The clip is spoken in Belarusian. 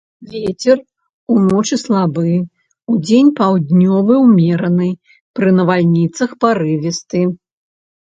Вецер уночы слабы, удзень паўднёвы ўмераны, пры навальніцах парывісты.